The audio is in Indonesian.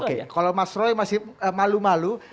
oke kalau mas roy masih malu malu